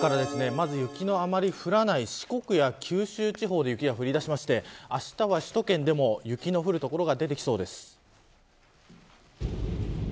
天達さん、首都圏今夜からですね雪のあまり降らない四国や九州地方で雪が降りだしましてあしたは首都圏でも、雪の降る所が出てきそうです。